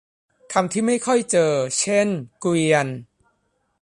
คำที่ไม่ค่อยเจอเช่นเกวียน